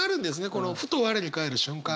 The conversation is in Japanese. このふと我に返る瞬間。